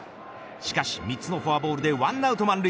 しかし、３つのフォアボールで１アウト満塁。